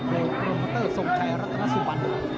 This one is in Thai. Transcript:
โดยโปรเมอร์เตอร์ส่งไทยรัฐรสวรรค์